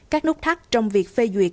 các nút thắt trong việc phê duyệt